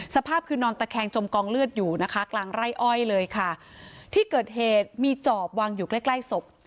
สภาพคือนอนตะแคงจมกองเลือดอยู่นะคะกลางไร่อ้อยเลยค่ะที่เกิดเหตุมีจอบวางอยู่ใกล้ใกล้ศพ